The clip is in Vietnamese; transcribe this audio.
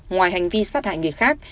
ngoài hành vi sát hại người khác